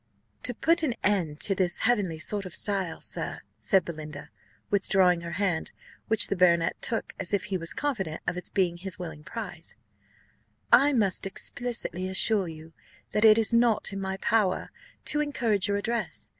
"To put an end to this heavenly sort of style, sir," said Belinda, withdrawing her hand, which the baronet took as if he was confident of its being his willing prize, "I must explicitly assure you, that it is not in my power to encourage your addresses.